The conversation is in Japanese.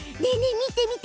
見て見て！